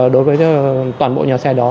đối với toàn bộ nhà xe đó